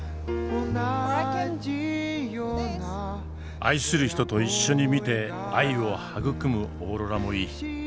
愛する人と一緒に見て愛を育むオーロラもいい。